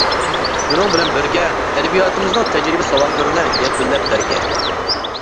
شۇنىڭ بىلەن بىرگە ئەدەبىياتىمىزنىڭ تەجرىبە-ساۋاقلىرىنى يەكۈنلەپ بەرگەن.